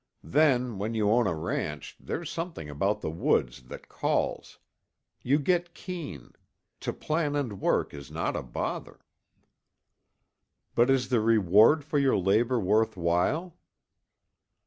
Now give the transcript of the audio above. Then, when you own a ranch, there's something about the woods that calls. You get keen; to plan and work is not a bother." "But is the reward for your labor worth while?"